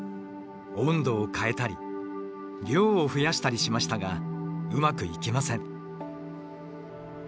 温度を変えたり量を増やしたりしましたがうまくいきません。